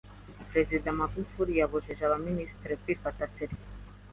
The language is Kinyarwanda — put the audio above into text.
Perezida Magufuli yabujije Abaminisitiri kwifata ‘selfie